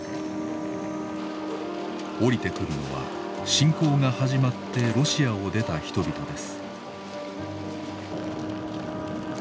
降りてくるのは侵攻が始まってロシアを出た人々です。